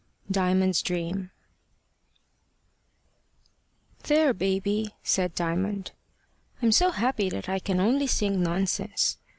DIAMOND'S DREAM "THERE, baby!" said Diamond; "I'm so happy that I can only sing nonsense.